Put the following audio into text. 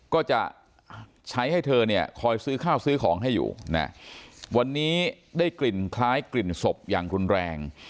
ก็จะใช้ให้เธอเนี่ยคอยซื้อข้าวซื้อของให้อยู่นะวันนี้ได้กลิ่นคล้ายกลิ่นศพอย่างรุนแรง